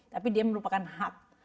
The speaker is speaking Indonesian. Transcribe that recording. tapi dia merupakan hak